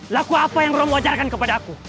laku apa yang romo ajarkan kepada aku